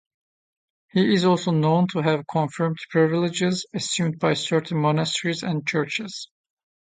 He is also known to have confirmed privileges assumed by certain monasteries and churches.